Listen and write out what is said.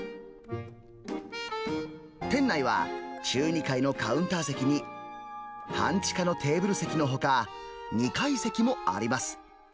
店内は中２階のカウンター席に、半地下のテーブル席のほか、２階席もあります。